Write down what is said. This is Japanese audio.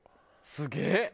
すげえ！